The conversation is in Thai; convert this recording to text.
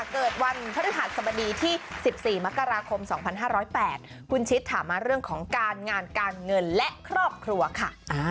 เกิดวันพฤหัสบดีที่๑๔มกราคม๒๕๐๘คุณชิดถามมาเรื่องของการงานการเงินและครอบครัวค่ะ